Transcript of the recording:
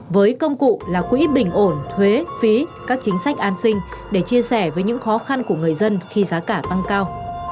với công cụ là quỹ bình ổn thuế phí các chính sách an sinh để chia sẻ với những khó khăn của người dân khi giá cả tăng cao